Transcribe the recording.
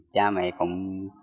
cha mẹ cũng